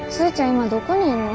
今どこにいんの？